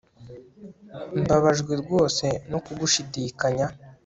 Mbabajwe rwose no kugushidikanya